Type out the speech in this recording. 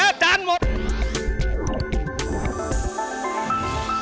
ออกออกออกออกออก